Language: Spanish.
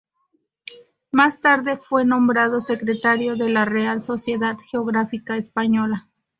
Más tarde fue nombrado secretario de la Real Sociedad Geográfica Española.